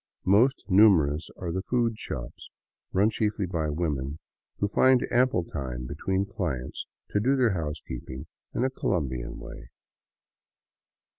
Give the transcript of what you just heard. Most numerous are the food shops, run chiefly by women, who find ample time between clients to do their housekeeping in a Colombian way.